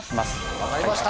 分かりました！